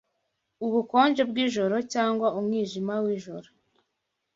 ubukonje bwijoro, Cyangwa umwijima wijoro,